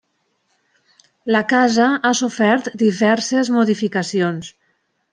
La casa ha sofert diverses modificacions.